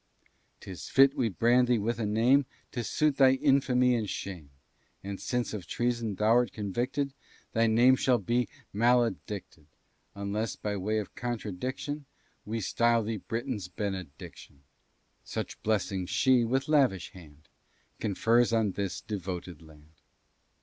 'Tis fit we brand thee with a name To suit thy infamy and shame; And, since of treason thou'rt convicted, Thy name shall be maledicted. Unless, by way of contradiction, We style thee Britain's Benediction. Such blessings she, with lavish hand, Confers on this devoted land.